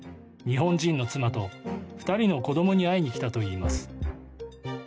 日本人の妻と２人の子どもに会いに来たといいます。